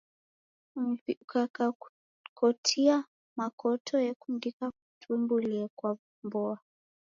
Mvi ukakakukotia makoto yekundika kutumbulie kwa w'umboa.